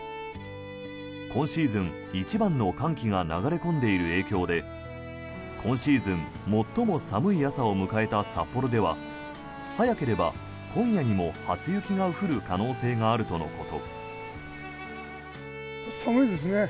今シーズン一番の寒気が流れ込んでいる影響で今シーズン最も寒い朝を迎えた札幌では早ければ今夜にも初雪が降る可能性があるとのこと。